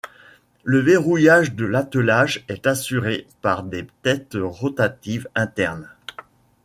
Le verrouillage de l'attelage est assuré par des têtes rotatives internes.